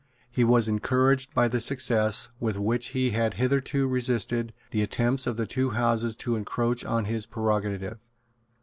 He was encouraged by the success with which he had hitherto resisted the attempts of the two Houses to encroach on his prerogative.